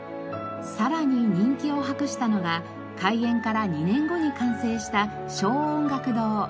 さらに人気を博したのが開園から２年後に完成した小音楽堂。